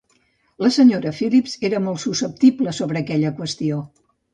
La Sra. Phillips era molt susceptible sobre aquella qüestió.